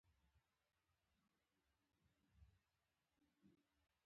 قسم دی په عصر.